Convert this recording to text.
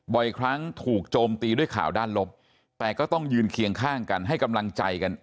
บ่อยครั้งถูกโจมตีด้วยข่าวด้านลบแต่ก็ต้องยืนเคียงข้างกันให้กำลังใจกัน